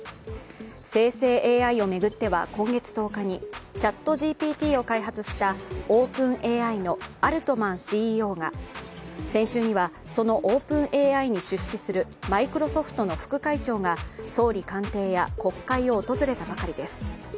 生成ＡＩを巡っては今月１０日にＣｈａｔＧＰＴを開発したＯｐｅｎＡＩのアルトマンＣＥＯが先週にはそのＯｐｅｎＡＩに出資するマイクロソフトの副会長が総理官邸や国会を訪れたばかりです。